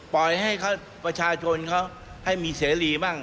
ปล่อยให้ประชาชนเขาให้มีเสรีบ้าง